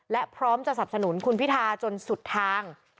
และพร้อมจะสับสนุนคุณพิธาจนสุดทาง